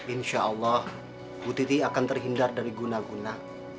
insya allah bu titi akan terhindar dari guna guna